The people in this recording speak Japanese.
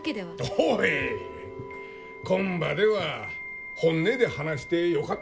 おいこん場では本音で話してよかったっど？